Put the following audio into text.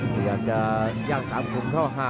ผู้จัดอย่างสามกุมเข้าฮะ